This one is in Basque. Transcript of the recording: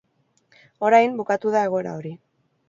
Orain, bukatu da egoera hori.